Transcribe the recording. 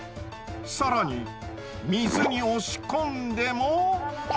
更に水に押し込んでも。